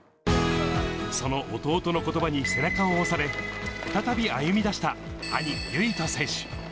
その弟のことばに背中を押され、再び歩み出した兄、唯翔選手。